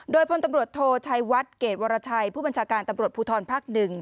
โดยพลตำรวจโทชัยวัดเกรดวรชัยผู้บัญชาการตำรวจภูทรภักดิ์๑